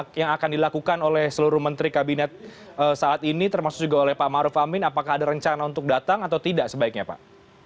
apa yang akan dilakukan oleh seluruh menteri kabinet saat ini termasuk juga oleh pak maruf amin apakah ada rencana untuk datang atau tidak sebaiknya pak